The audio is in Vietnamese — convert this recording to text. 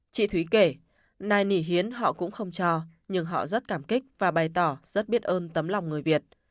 chị thúy kể nay nỉ hiến họ cũng không cho nhưng họ rất cảm kích và bày tỏ rất biết ơn tấm lòng người việt